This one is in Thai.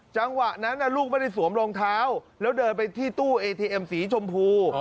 จังหวะนั้นลูกไม่ได้สวมรองเท้าแล้วเดินไปที่ตู้เอทีเอ็มสีชมพู